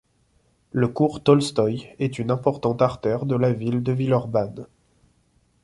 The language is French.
Le cours Tolstoï est une importante artère de la ville de Villeurbanne.